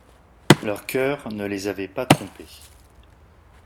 Leur cœur ne les avait pas trompés.